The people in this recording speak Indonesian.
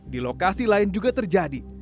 di lokasi lain juga terjadi